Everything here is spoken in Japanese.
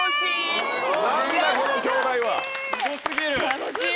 楽しい！